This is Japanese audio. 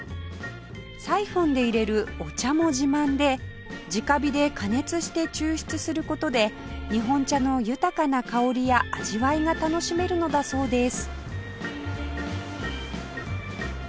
サイホンでいれるお茶も自慢で直火で加熱して抽出する事で日本茶の豊かな香りや味わいが楽しめるのだそうです